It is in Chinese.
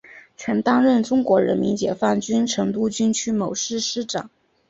曾担任中国人民解放军成都军区某师师长。